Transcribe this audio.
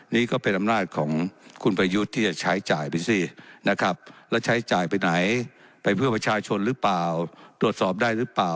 นี่ก็เป็นอำนาจของคุณประยุทธ์ที่จะใช้จ่ายไปสินะครับแล้วใช้จ่ายไปไหนไปเพื่อประชาชนหรือเปล่าตรวจสอบได้หรือเปล่า